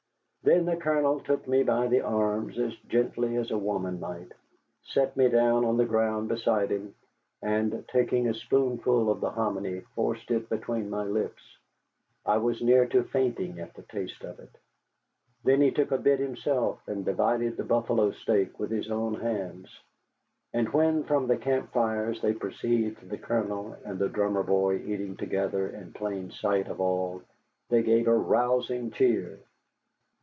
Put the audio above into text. Then the Colonel took me by the arms, as gently as a woman might, set me down on the ground beside him, and taking a spoonful of the hominy forced it between my lips. I was near to fainting at the taste of it. Then he took a bit himself, and divided the buffalo steak with his own hands. And when from the camp fires they perceived the Colonel and the drummer boy eating together in plain sight of all, they gave a rousing cheer.